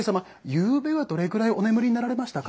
ゆうべはどれくらいお眠りになられましたか？